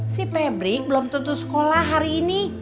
si pabrik belum tentu sekolah hari ini